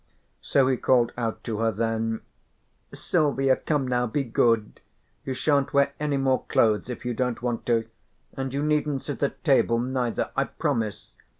So he called out to her then: "Silvia, come now, be good, you shan't wear any more clothes if you don't want to, and you needn't sit at table neither, I promise.